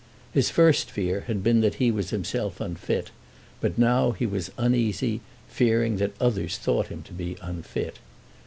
His first fear had been that he was himself unfit; but now he was uneasy, fearing that others thought him to be unfit.